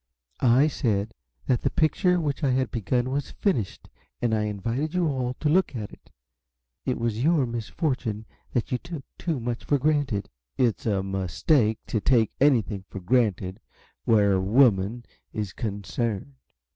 "I said that the picture which I had begun was finished, and I invited you all to look at it. It was your misfortune that you took too much for granted." "It's a mistake to take anything for granted where a woman is concerned.